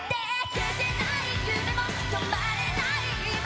消せない夢も止まれない今も」